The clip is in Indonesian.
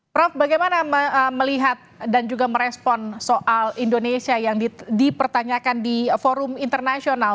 prof bagaimana melihat dan juga merespon soal indonesia yang dipertanyakan di forum internasional